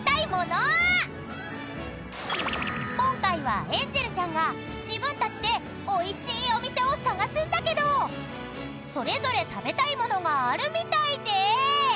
［今回はエンジェルちゃんが自分たちでおいしいお店を探すんだけどそれぞれ食べたい物があるみたいで］